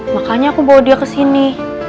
makanya aku bawa dia kesini